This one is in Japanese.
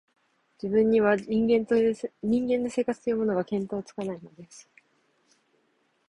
自分には、人間の生活というものが、見当つかないのです